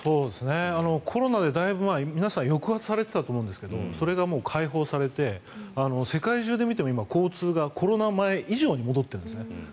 コロナで、だいぶ皆さん抑圧されていたと思うんですがそれが解放されて世界中で見ても今、交通がコロナ前以上に戻っているんですね。